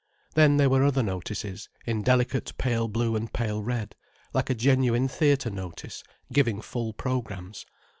Then there were other notices, in delicate pale blue and pale red, like a genuine theatre notice, giving full programs.